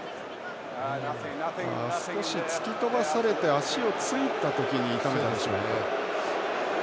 少し突き飛ばされて足をついた時に痛めたでしょうか。